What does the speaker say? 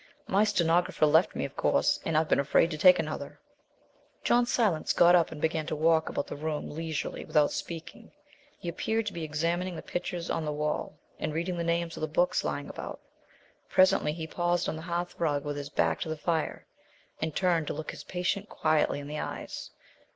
My stenographer left me, of course and I've been afraid to take another " John Silence got up and began to walk about the room leisurely without speaking; he appeared to be examining the pictures on the wall and reading the names of the books lying about. Presently he paused on the hearthrug, with his back to the fire, and turned to look his patient quietly in the eyes.